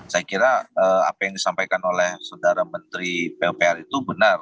saya kira apa yang disampaikan oleh saudara menteri pupr itu benar